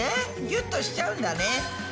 ぎゅっとしちゃうんだね。